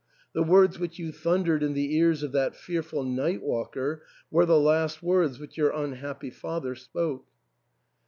The words which you thundered in the ears of that fearful night walker were the last words which your unhappy father spoke."